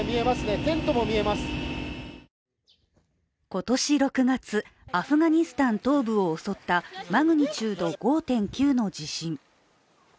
今年６月、アフガニスタン東部を襲ったマグニチュード５．９の地震。